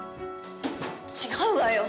違うわよ。